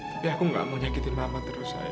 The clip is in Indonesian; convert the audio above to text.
tapi aku gak mau nyakitin mama terus saya